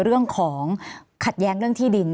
เรื่องของขัดแย้งเรื่องที่ดิน